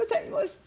って